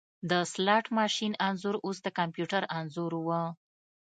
د سلاټ ماشین انځور اوس د کمپیوټر انځور و